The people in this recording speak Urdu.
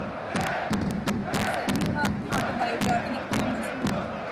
سلمی غا اپنی اٹوبایوگرافی لکھنے میں مصروف